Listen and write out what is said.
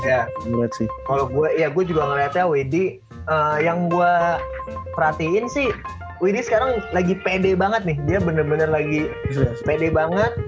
iya gue juga ngeliatnya wd yang gue perhatiin sih wd sekarang lagi pede banget nih dia bener bener lagi pede banget